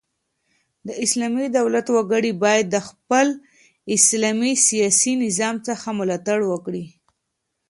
د اسلامي دولت وګړي بايد د خپل اسلامي سیاسي نظام څخه ملاتړ وکړي.